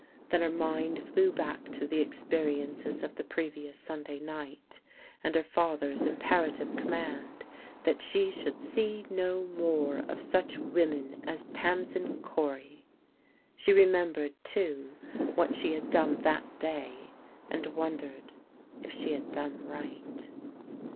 Then her mind flew back to the experiences of the pre vious Sunday night, and her father's imperative com mand that she should see no more of such women as Tamsin Cory. She remembered, too, what she had done that day, and wondered if she had done right.